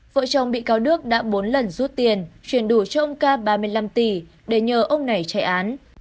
vợ chồng bị cáo đức đã bốn lần rút tiền chuyển đủ cho ông ca ba mươi năm tỷ để nhờ ông này chạy án